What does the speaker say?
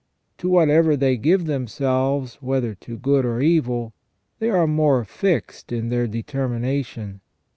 To whatever they give themselves, whether to good or evil, they are more fixed in their determination.